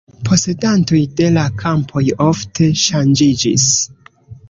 Posedantoj de la kampoj ofte ŝanĝiĝis.